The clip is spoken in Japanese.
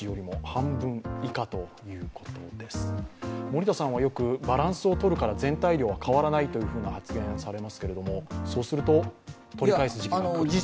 森田さんはよくバランスをとるから全体量は変わらないと発言されますけれども、そうすると、取り返す時期はくるんですかね。